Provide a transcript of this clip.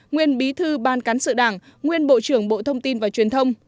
nguyên bí thư ban cán sự đảng nguyên bộ trưởng bộ thông tin và truyền thông